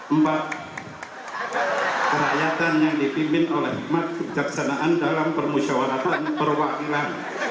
empat kerakyatan yang dipimpin oleh hikmat kebijaksanaan dalam permusyawaratan perwakilan